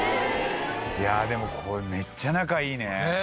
いやあでもこれめっちゃ仲いいね。